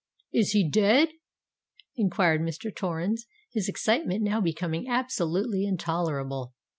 "Is he dead?" enquired Mr. Torrens, his excitement now becoming absolutely intolerable.